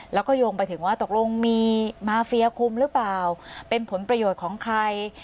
แล้วก็โยงไปถึงว่าตกลงมีมาเฟียคุมหรือเปล่าเป็นผลประโยชน์ของใคร